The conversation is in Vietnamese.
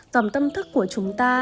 dòng tâm thức của chúng ta